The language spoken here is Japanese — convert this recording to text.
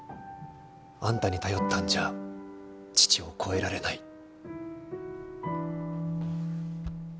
あんたに頼ったんじゃ父を超えられない。